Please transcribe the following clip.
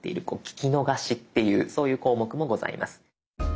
聴き逃しっていうそういう項目もございます。